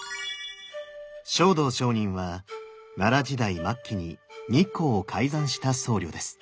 勝道上人は奈良時代末期に日光を開山した僧侶です。